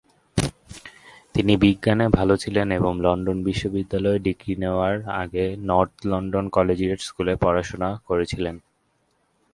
তিনি বিজ্ঞানে ভালো ছিলেন এবং লন্ডন বিশ্ববিদ্যালয়ে ডিগ্রি নেওয়ার আগে নর্থ লন্ডন কলেজিয়েট স্কুলে পড়াশোনা করেছিলেন।